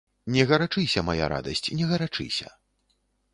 Не гарачыся, мая радасць, не гарачыся.